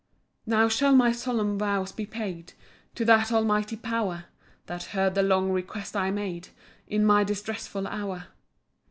1 Now shall my solemn vows be paid To that Almighty power, That heard the long requests I made In my distressful hour.